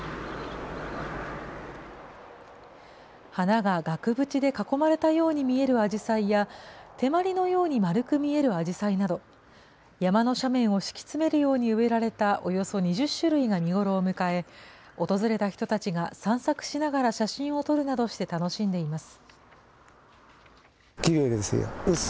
花が額縁で囲まれたように見えるアジサイや、手まりのように丸く見えるアジサイなど、山の斜面を敷き詰めるように植えられたおよそ２０種類が見頃を迎え、訪れた人たちが、散策しながら写真を撮るなどして楽しんでいます。